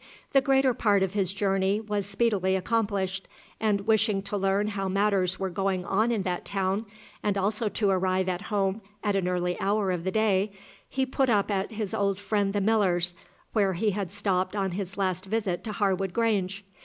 The greater part of his journey was speedily accomplished, and wishing to learn how matters were going on in that town, and also to arrive at home at an early hour of the day, he put up at his old friend the miller's, where he had stopped on his last visit to Harwood Grange.